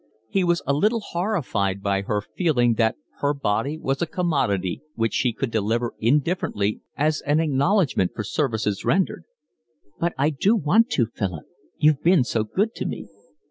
He was a little horrified by her feeling that her body was a commodity which she could deliver indifferently as an acknowledgment for services rendered. "But I do want to, Philip. You've been so good to me."